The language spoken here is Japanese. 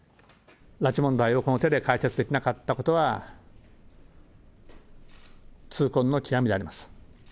拉致問題をこの手で解決できなかったことは、痛恨の極みであります。